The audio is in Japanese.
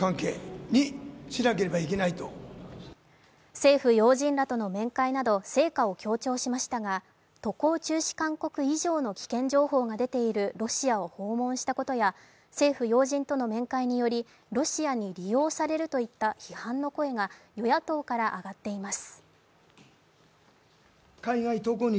政府要人らとの面会など成果を強調しましたが渡航中止勧告以上の危険情報が出ているロシアを訪問したことや政府要人との面会によりロシアに利用されるといった批判の声が与野党から上がっています。